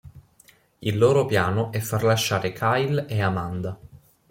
Il loro piano è far lasciare Kyle e Amanda.